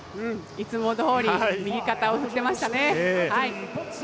いつもどおり右肩を振ってましたね。